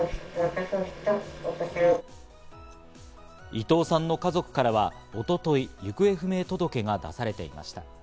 伊藤さんの家族からは一昨日、行方不明者届が出されていました。